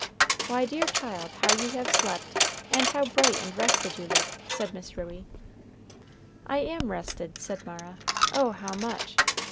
"Why, dear child, how you have slept, and how bright and rested you look," said Miss Ruey. "I am rested," said Mara; "oh how much!